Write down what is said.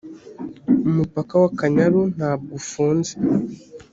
umupaka w’ akanyaru ntabwo ufunze